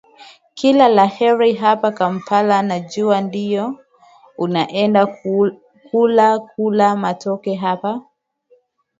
kila la heri hapa kampala najua ndio unaenda kula kula matoke hapo